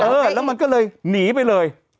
เออแล้วมันก็เลยหนีไปเลย